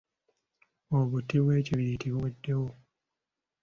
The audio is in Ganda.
Obuti bw’ekibiriiti buweddewo.